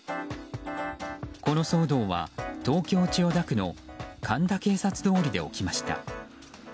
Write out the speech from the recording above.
この騒動は、東京・千代田区の神田警察通りで起きました。